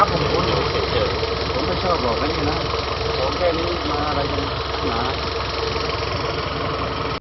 ผมรู้ท่านเป็นใครผมรู้ท่านทวีครับ